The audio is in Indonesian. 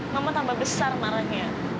mama tambah besar marahnya